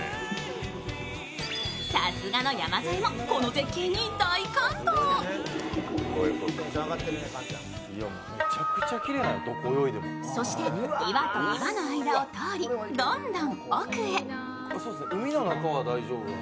さすがの山添も、この絶景に大感動そして、岩と岩の間を通りどんどん奥へ。